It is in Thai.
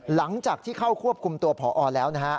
หลังจากที่เข้าควบคุมตัวพอแล้วนะฮะ